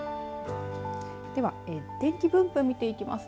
では、天気分布を見ていきます。